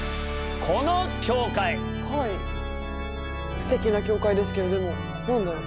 すてきな教会ですけどでも何だろう？